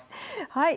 はい。